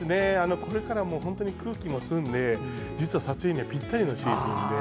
これから本当に空気も澄んで実は撮影にはぴったりのシーズンで。